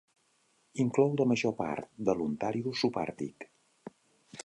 Inclou la major part de l'Ontario subàrtic.